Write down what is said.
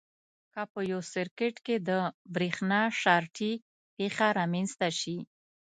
که په یو سرکټ کې د برېښنا شارټي پېښه رامنځته شي.